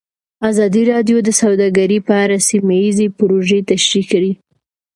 ازادي راډیو د سوداګري په اړه سیمه ییزې پروژې تشریح کړې.